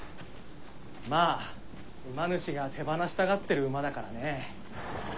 まあ馬主が手放したがってる馬だからね。